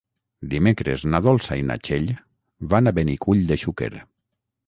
Dimecres na Dolça i na Txell van a Benicull de Xúquer.